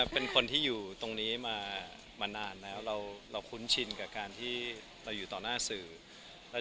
เป็นคนที่อยู่ตรงนี้มานานแล้วเราคุ้นชินกับการที่เราอยู่ต่อหน้าสื่อ